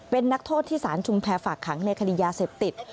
เป็นนักโทษที่สารชุมแพรฝากขังในคดียาเสพติด